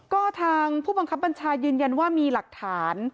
ก็ทางผู้บังคับบัญชายืนยันว่ามีหลักฐาน